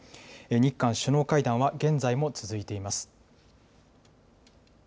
日韓首脳会談は現在も続いています。